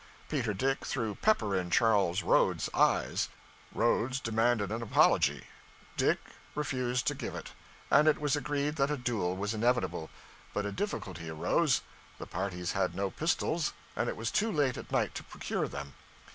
Peter Dick threw pepper in Charles Roads's eyes; Roads demanded an apology; Dick refused to give it, and it was agreed that a duel was inevitable, but a difficulty arose; the parties had no pistols, and it was too late at night to procure them.